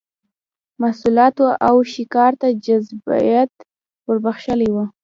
محصولاتو او ښکار ته جذابیت ور بخښلی و